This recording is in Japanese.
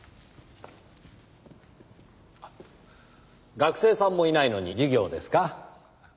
学生さんもいないのに授業ですか？